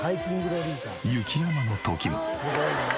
雪山の時も。